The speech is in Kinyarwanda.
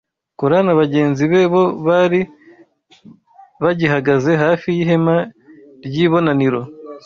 Kora na bagenzi be bo bari bagihagaze hafi y’ihema ry’ibonaniro.